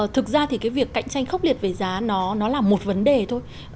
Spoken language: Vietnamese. thực ra thì cái việc cạnh tranh khốc liệt về giá nó là một vấn đề thôi